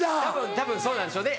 たぶんそうなんでしょうね。